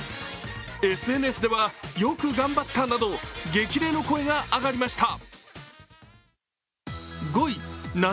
ＳＮＳではよく頑張ったなど激励の声が上がりました。